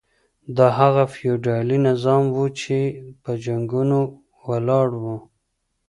دا هغه فيوډالي نظام و چي په جنګونو ولاړ و.